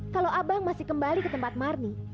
kalau abang masih kembali ke tempat marni